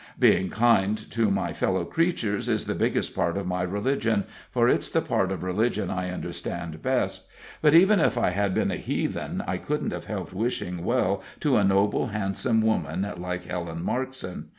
Being kind to my fellow creatures is the biggest part of my religion, for it's the part of religion I understand best; but even if I had been a heathen, I couldn't have helped wishing well to a noble, handsome woman like Helen Markson.